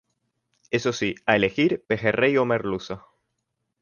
Eso sí, a elegir: pejerrey o merluza.